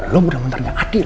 lo benar benarnya adil